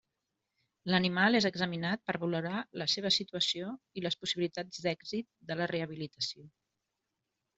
L'animal és examinat per valorar la seva situació i les possibilitats d'èxit de la rehabilitació.